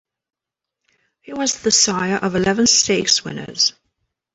He was the sire of eleven stakes winners.